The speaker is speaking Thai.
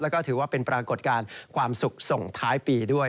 แล้วก็ถือว่าเป็นปรากฏการณ์ความสุขส่งท้ายปีด้วย